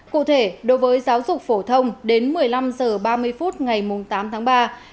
cụ thể đối với giáo dục phổ thông đến một mươi năm h ba mươi phút ngày tám tháng ba